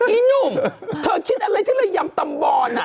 พี่หนุ่มเธอคิดอะไรที่ระยำตำบอน